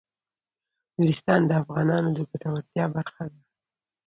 نورستان د افغانانو د ګټورتیا برخه ده.